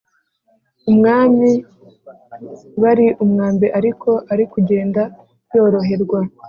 umwami bari umwambi ariko ari kugenda yoroherwa